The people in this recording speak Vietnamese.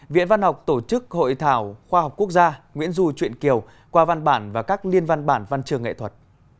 viện văn học tổ chức hội thảo khoa học quốc gia nguyễn du truyện kiều qua văn bản và các liên văn bản văn trường nghệ thuật